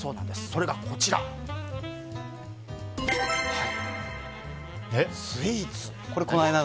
それが、こちら、スイーツ。